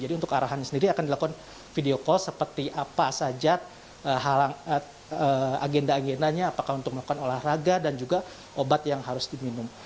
jadi untuk arahan sendiri akan dilakukan video call seperti apa saja agenda agendanya apakah untuk melakukan olahraga dan juga obat yang harus diminum